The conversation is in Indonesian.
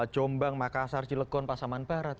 jombang makassar cilegon pasaman barat